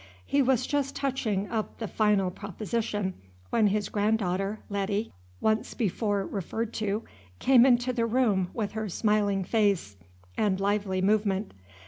He was just touching up the final proposition, when his granddaughter, Letty, once before referred to, came into the room with her smiling face and lively movement.